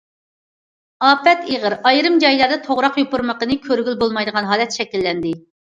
ئاپەت ئېغىر ئايرىم جايلاردا توغراق يوپۇرمىقىنى كۆرگىلى بولمايدىغان ھالەت شەكىللەندى.